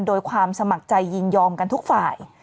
โดยความสมัครใจยินยอมกันทุกฝ่าย